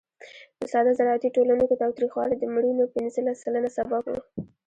په ساده زراعتي ټولنو کې تاوتریخوالی د مړینو پینځلس سلنه سبب و.